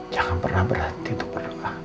jangan pernah berhenti untuk berkah